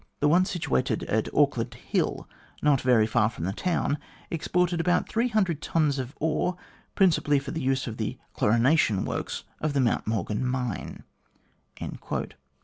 The one situated at Auckland Hill, not very distant from the town, exported about 300 tons of ore, principally for the use of the chlorination works of the Mount Morgan mine."